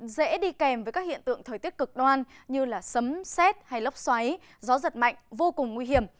dễ đi kèm với các hiện tượng thời tiết cực đoan như sấm xét hay lốc xoáy gió giật mạnh vô cùng nguy hiểm